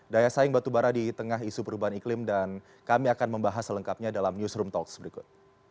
daya saing batubara di tengah isu perubahan iklim dan kami akan membahas selengkapnya dalam newsroom talks berikut